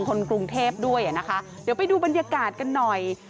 คนกรุงเทพด้วยอ่ะนะคะเดี๋ยวไปดูบรรยากาศกันหน่อย